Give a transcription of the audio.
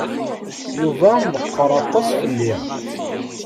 Yuba meqqeṛ aṭas fell-i.